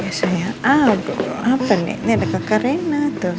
biasanya abu apa nih ini ada kakak rena tuh